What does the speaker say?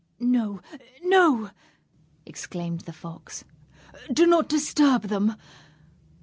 "No, no!" exclaimed the Fox, "do not disturb them!